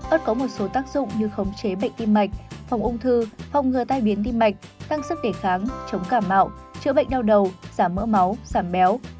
ớt có một số tác dụng như khống chế bệnh tim mạch phòng ung thư phòng ngừa tai biến tim mạch tăng sức đề kháng chống cả mạo chữa bệnh đau đầu giảm mỡ máu giảm béo